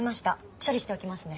処理しておきますね。